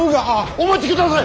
お待ちください！